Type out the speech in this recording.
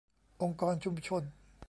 องค์กรชุมชน